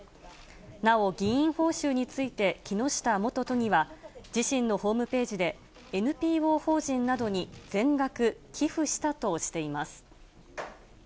なお、議員報酬について、木下元都議は自身のホームページで、ＮＰＯ法人などに全額寄付したとしています。